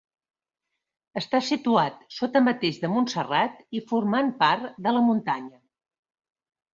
Està situat sota mateix de Montserrat i formant part de la muntanya.